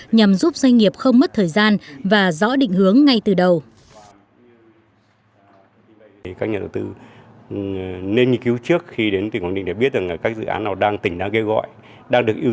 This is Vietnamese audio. nhằm giúp doanh nghiệp không mất thời gian và rõ định hướng ngay từ đầu